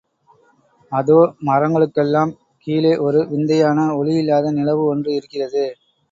அதோ மரங்களுக்கெல்லாம் கீழே ஒரு விந்தையான ஒளியில்லாத நிலவு ஒன்று இருக்கிறது.